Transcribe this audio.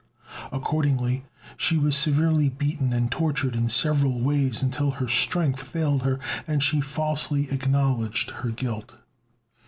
Accordingly, she was severely beaten and tortured in several ways until her strength failed her, and she falsely acknowledged her guilt.